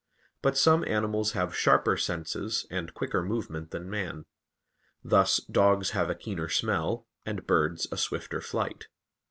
But some animals have sharper senses and quicker movement than man; thus dogs have a keener smell, and birds a swifter flight.